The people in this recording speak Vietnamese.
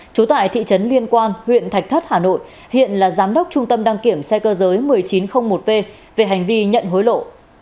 trú tại thị trấn liên quan huyện thạch thất hà nội hiện là giám đốc trung tâm đăng kiểm xe cơ giới một nghìn chín trăm linh một v về hành vi nhận hối lộ